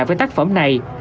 với tác phẩm này